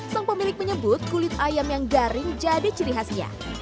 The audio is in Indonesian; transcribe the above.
sang pemilik menyebut kulit ayam yang garing jadi ciri khasnya